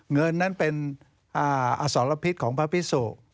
เงินนั้นเป็นอสรพิษของพระพิสุ